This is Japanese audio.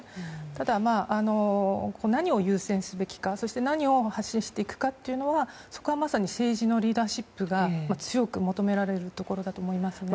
ただ、何を優先すべきかそして、何を発信していくかというのはそこはまさに政治のリーダーシップが強く求められるところだと思いますね。